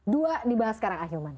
dua dibahas sekarang ah yoman